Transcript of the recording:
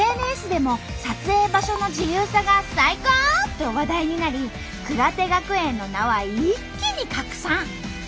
ＳＮＳでも撮影場所の自由さが最高！と話題になり「くらて学園」の名は一気に拡散！